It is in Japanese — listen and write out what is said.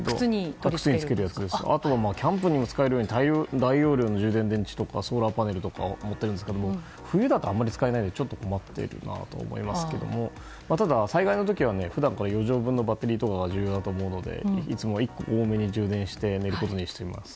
靴につけるやつですがあとはキャンプでも使えるように大容量の充電電池とかソーラーパネルとかを持っているんですけども冬だと使えないので困っているんですけどもただ、災害の時は普段から余剰分のバッテリー等は重要だと思うので、いつも多めに充電して寝ることにしています。